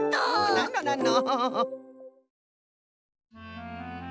なんのなんの。